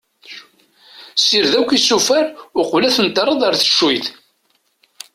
Ssired akk isufar uqbel aten-terreḍ ar teccuyt.